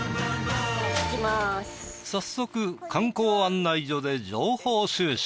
早速観光案内所で情報収集。